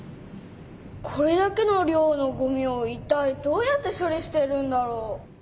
これだけの量のごみをいったいどうやって処理してるんだろう？